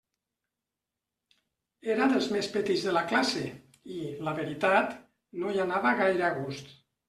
Era dels més petits de la classe i, la veritat, no hi anava gaire a gust.